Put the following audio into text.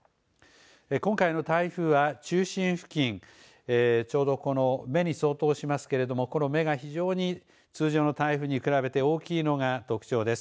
今回の台風は中心付近、ちょうど目に相当しますけれども、この目が非常に通常の台風に比べて大きいのが特徴です。